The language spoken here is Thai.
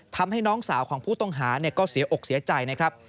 ทำให้น้องสาวของผู้ต้องหาก็เสียอกเสียใจนะครับ